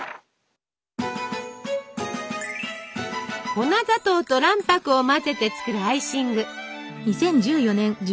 粉砂糖と卵白を混ぜて作るアイシング。